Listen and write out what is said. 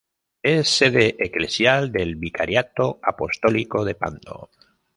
Es sede Eclesial del Vicariato Apostólico de Pando.